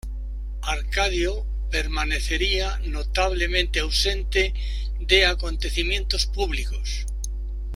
Arcadio permanecía notablemente ausente de acontecimientos públicos.